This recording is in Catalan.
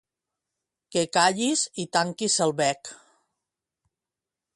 Que callis i tanquis el bec.